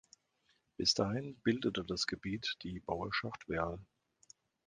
Bis dahin bildete das Gebiet die "Bauerschaft Werl".